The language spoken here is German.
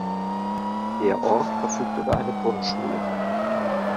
Der Ort verfügt über eine Grundschule.